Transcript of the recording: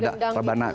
seperti gendang gitu